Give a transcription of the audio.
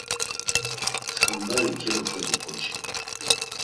Tsxadari keluxedu ǩoçi.